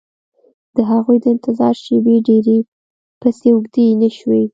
د هغوی د انتظار شېبې ډېرې پسې اوږدې نه شوې